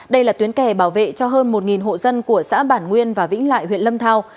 đây là tuyến kè bảo vệ cho hơn một hộ dân của xã bản nguyên và vĩnh lại huyện lâm thao